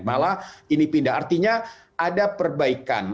malah ini pindah artinya ada perbaikan